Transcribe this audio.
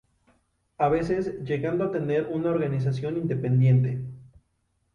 A veces llegando a tener una organización independiente.